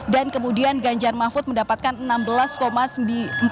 dan kemudian ganjar mahfud mendapatkan enam belas sembilan persen